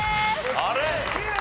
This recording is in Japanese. あれ？